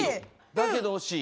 だけど惜しい。